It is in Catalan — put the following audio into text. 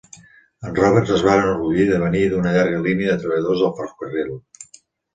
En Roberts es va enorgullir de venir d'una llarga línia de treballadors del ferrocarril.